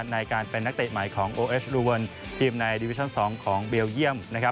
ในการเป็นนักเตะใหม่ของโอเอสลูเวิร์นทีมในดิวิชั่น๒ของเบลเยี่ยม